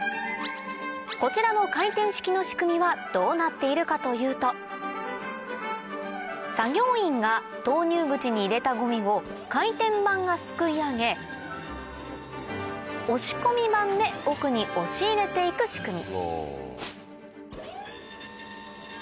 こちらの回転式の仕組みはどうなっているかというと作業員が投入口に入れたごみを回転板がすくい上げ押し込み板で奥に押し入れていく仕組み